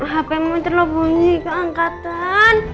hape mo ntar lo bunyi keangkatan